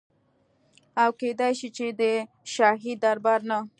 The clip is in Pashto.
او کيدی شي چي د شاهي دربار نه